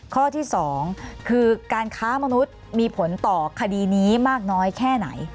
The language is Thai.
ข้อที่๒คือการค้ามนุษย์มีผลต่อคดีนี้มากน้อยแค่ไหน